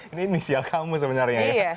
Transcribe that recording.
ini inisial kamu sebenarnya ya